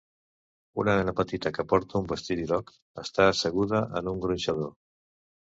Una nena petita que porta un vestit groc està asseguda en un gronxador.